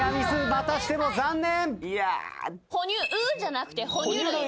またしても残念！